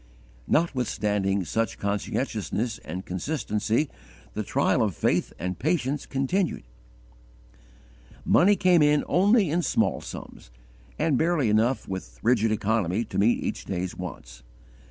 Notwithstanding such conscientiousness and consistency the trial of faith and patience continued. Money came in only in small sums, and barely enough with rigid economy to meet each day's wants.